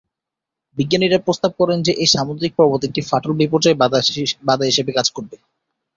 বিজ্ঞানীরা প্রস্তাব করেন যে এই সামুদ্রিক পর্বত একটি ফাটল বিপর্যয়ে বাধা হিসাবে কাজ করবে।